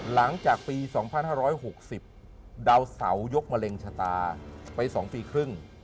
หลังจากปี๒๕๖๐ดาวเสายกมะเร็งชะตาไป๒ปีครึ่ง